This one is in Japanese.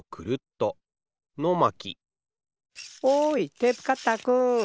テープカッターくん。